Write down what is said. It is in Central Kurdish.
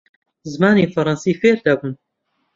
زمانی فەڕەنسی فێر دەبم.